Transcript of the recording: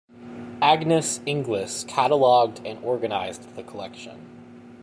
Agnes Inglis cataloged and organized the collection.